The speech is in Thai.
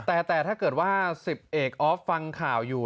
แต่ถ้าเกิดว่า๑๐เอกออฟฟังข่าวอยู่